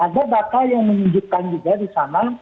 ada data yang menunjukkan juga di sana